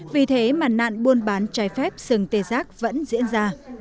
vì thế mà nạn buôn bán trái phép sừng tê giác vẫn diễn ra